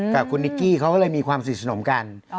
กับคุณนิกกี้เขาก็เลยมีความสนิทสนมกัน